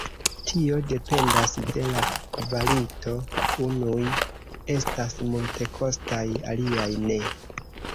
Tio dependas de la kvalito, unuj estas multekostaj, aliaj ne.